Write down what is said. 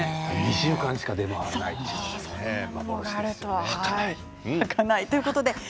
２週間しか出回らないということなんですね。